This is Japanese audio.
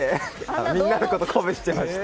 みんなのこと鼓舞してました。